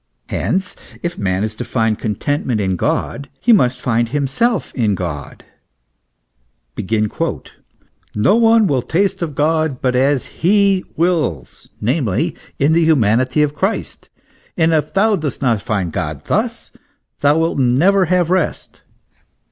Hence, if man is to find contentment in God, he must find himself in God. " No one will taste of God, but as He wills, namely in the humanity of Christ; and if thou dost not find God thus, thou wilt never have rest."